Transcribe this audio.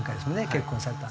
結婚されたのね。